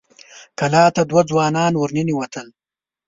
کلا ته دوه ځوانان ور ننوتل.